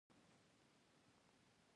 پړانګ د وحشي طبیعت برخه ده.